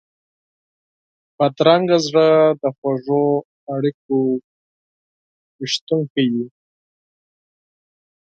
بدرنګه زړه د خوږو اړیکو قاتل وي